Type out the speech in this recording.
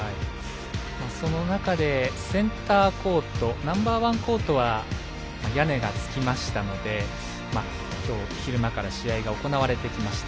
その中でセンターコートナンバーワンコートは屋根がつきましたのできょうは昼間から試合が行われてきました。